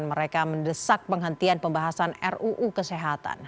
mereka mendesak penghentian pembahasan ruu kesehatan